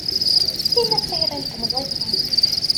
Tinna d tayri n temẓi kan.